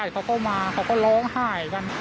เขาก็ร้องไห้กัน